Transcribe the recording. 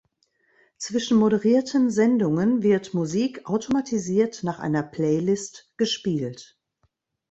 Zwischen moderierten Sendungen wird Musik automatisiert nach einer Playlist gespielt.